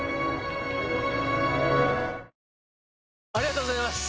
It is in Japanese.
ありがとうございます！